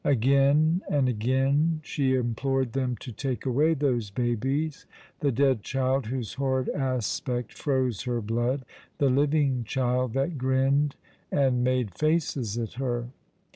Again and again she implored them to take away those babies —the dead child whose horrid aspect froze her blood — the living child that grinned and made faces at her.